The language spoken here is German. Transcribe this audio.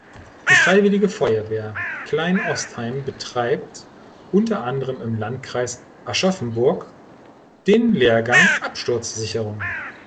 Die Freiwillige Feuerwehr Kleinostheim betreibt unter anderem im Landkreis Aschaffenburg den Lehrgang Absturzsicherung.